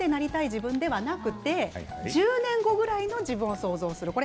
自分ではなくて１０年後ぐらいの自分を想像する。